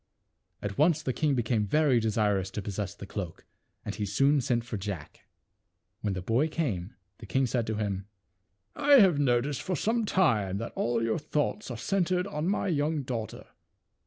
At once the king became very desirous to possess the cloak, and he soon sent for Jack. When the boy came the king said to him, " I have noticed for some time that all your thoughts are centered on my young daughter.